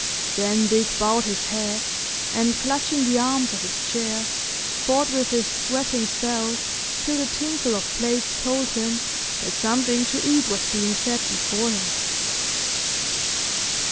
Then Dick bowed his head, and clutching the arms of his chair fought with his sweating self till the tinkle of plates told him that something to eat was being set before him.